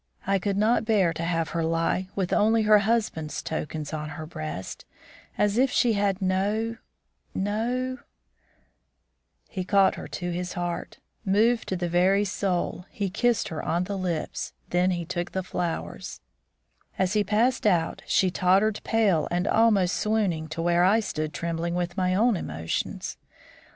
I could not bear to have her lie with only her husband's tokens on her breast, as if she had no no " He caught her to his heart. Moved to the very soul, he kissed her on the lips; then he took the flowers. As he passed out, she tottered pale and almost swooning to where I stood trembling with my own emotions.